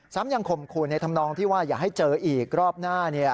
ยังข่มขู่ในธรรมนองที่ว่าอย่าให้เจออีกรอบหน้า